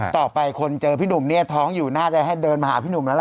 ต่อไปคนเจอพี่หนุ่มเนี่ยท้องอยู่น่าจะให้เดินมาหาพี่หนุ่มแล้วล่ะ